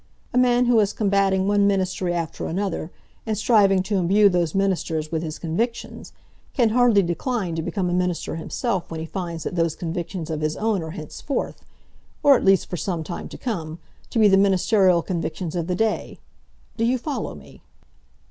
A man who is combating one ministry after another, and striving to imbue those ministers with his convictions, can hardly decline to become a minister himself when he finds that those convictions of his own are henceforth, or at least for some time to come, to be the ministerial convictions of the day. Do you follow me?"